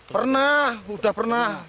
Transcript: pernah udah pernah